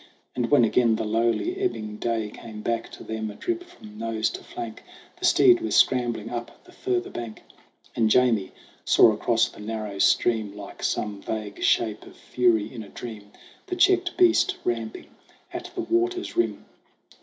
And when again the slowly ebbing day Came back to them, a drip from nose to flank, The steed was scrambling up the further bank, And Jamie saw across the narrow stream, Like some vague shape of fury in a dream, The checked beast ramping at the water's rim.